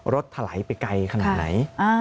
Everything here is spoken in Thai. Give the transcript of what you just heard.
ถลายไปไกลขนาดไหน